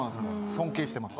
尊敬してます。